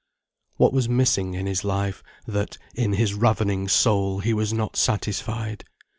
What was missing in his life, that, in his ravening soul, he was not satisfied?